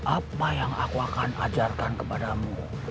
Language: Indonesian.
apa yang aku akan ajarkan kepadamu